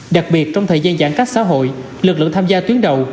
đặc biệt trong thời gian giãn cách xã hội lực lượng tham gia tuyến đầu